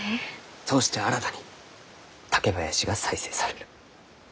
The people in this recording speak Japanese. そうして新たに竹林が再生される。